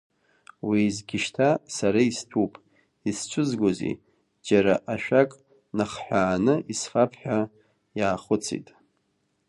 Уеизгьы шьҭа сара истәуп, исцәызгозеи, џьара ашәак нахҳәааны исфап ҳәа иаахәыцит.